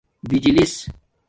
بجِلیس